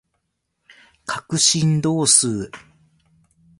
角振動数